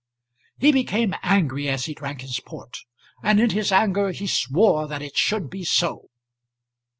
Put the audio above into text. He became angry as he drank his port, and in his anger he swore that it should be so.